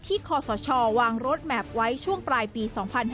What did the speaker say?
ที่คอสชวางโรดแมพไว้ช่วงปลายปี๒๕๖๐